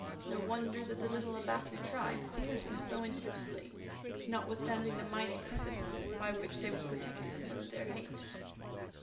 No wonder that the little Abati tribe feared them so intensely, notwithstanding the mighty precipices by which they were protected from their hate.